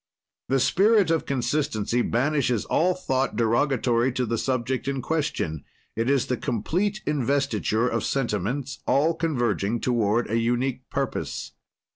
"The spirit of consistency banishes all thought derogatory to the subject in question; it is the complete investiture of sentiments, all converging toward a unique purpose."